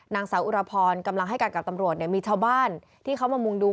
นางสาวอุรพรกำลังให้กันกับตำรวจเนี่ยมีชาวบ้านที่เขามามุงดู